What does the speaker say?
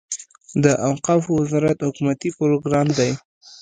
د اوقافو وزارت حکومتي پروګرام دی.